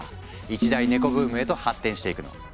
一大ネコブームへと発展していくの。